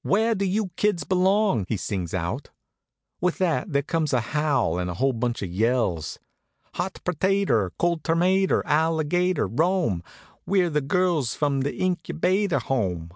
"Where do you kids belong?" he sings out. With that there comes a howl, and the whole bunch yells: Hot pertater cold termater alligater Rome! We're the girls from the Incubator Home!